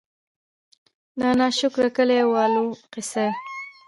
د نا شکره کلي والو قيصه :